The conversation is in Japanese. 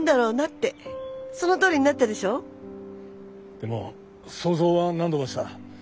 でも想像は何度もした。